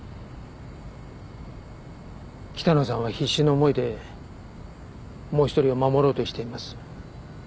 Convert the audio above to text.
北野さんは必死の思いでもう一人を守ろうとしています。